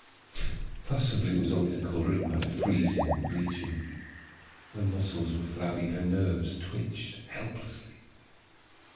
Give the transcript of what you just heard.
Possibly it was only the coloring matter freezing and bleaching. Her muscles were flabby, her nerves twitched helplessly.